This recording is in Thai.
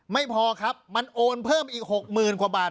ไม่พอครับมันโอนเพิ่มอีก๖๐๐๐กว่าบาท